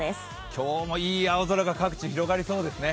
今日もいい青空が各地広がりそうですね。